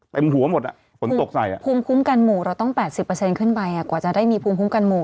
หัวหมดอ่ะฝนตกใส่ภูมิคุ้มกันหมู่เราต้อง๘๐ขึ้นไปกว่าจะได้มีภูมิคุ้มกันหมู่